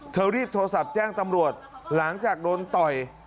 รีบโทรศัพท์แจ้งตำรวจหลังจากโดนต่อย